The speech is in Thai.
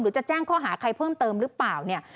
หรือจะแจ้งข้อหาใครเพิ่มเติมรึเปล่า